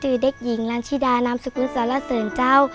เด็กหญิงลันชิดานามสกุลสรเสริญเจ้า